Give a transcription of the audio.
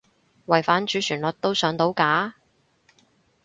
違反主旋律都上到架？